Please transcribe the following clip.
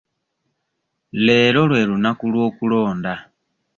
Leero lwe lunaku lw'okulonda.